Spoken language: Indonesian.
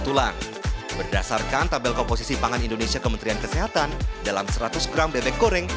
tulang berdasarkan tabel komposisi pangan indonesia kementerian kesehatan dalam seratus gram bebek goreng